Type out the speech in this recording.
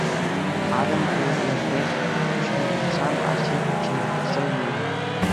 Арӑмӗ ӗмӗрлӗхех куҫне хупсан арҫын пӗчченех тӑрса юлнӑ.